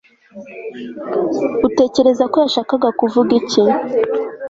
utekereza ko yashakaga kuvuga iki